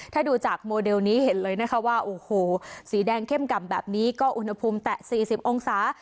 ถ้าดูจากโมเดลนี้เห็นเลยนะคะว่าโอ้โหสีแดงเข้มก่ำแบบนี้ก็อุณหภูมิแตะ๔๐องศา